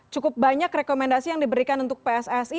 cukup banyak rekomendasi yang diberikan untuk pssi